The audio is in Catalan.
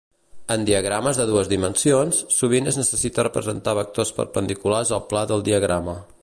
En diagrames de dues dimensions, sovint es necessita representar vectors perpendiculars al pla del diagrama.